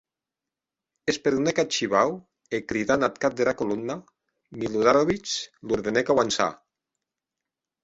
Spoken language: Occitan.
Esperonèc ath shivau e cridant ath cap dera colomna, Miloradovic, l’ordenèc auançar.